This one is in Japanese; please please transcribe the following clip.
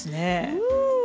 うん！